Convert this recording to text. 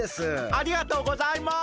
ありがとうございます。